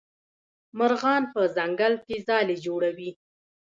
مرغان په ځنګل کې ځالې جوړوي.